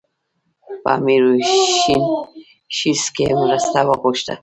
په میوریشیس کې مرسته وغوښته.